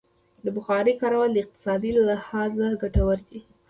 د بخارۍ کارول د اقتصادي لحاظه ګټور دي.